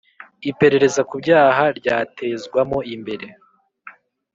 iperereza ku byaha ryatezwamo imbere